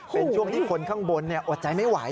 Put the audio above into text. เป็นช่วงที่คนข้างบนอดใจไม่ไหว